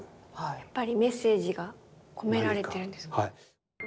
やっぱりメッセージが込められてるんですかね。